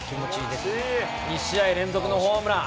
２試合連続のホームラン。